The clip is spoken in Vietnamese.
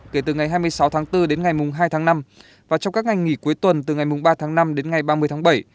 kể từ ngày hai mươi sáu tháng bốn đến ngày hai tháng năm và trong các ngày nghỉ cuối tuần từ ngày ba tháng năm đến ngày ba mươi tháng bảy